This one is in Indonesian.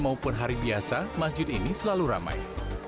maupun hari biasa masjid ini selalu ramai